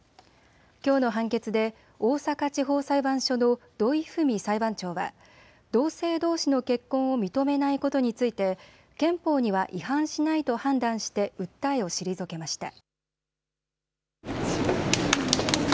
きょうの判決で大阪地方裁判所の土井文美裁判長は同性どうしの結婚を認めないことについて憲法には違反しないと判断して訴えを退けました。